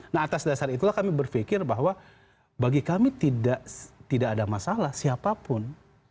nah atas dasar itulah kami berpikir bahwa bagi kami tidak ada masalah siapapun